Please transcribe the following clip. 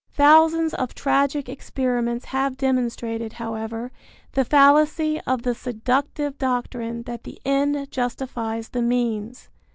Thousands of tragic experiments have demonstrated, however, the fallacy of the seductive doctrine that the end justifies the means.